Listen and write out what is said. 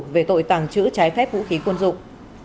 về tội tàng trữ trái phép vũ khí quân dụng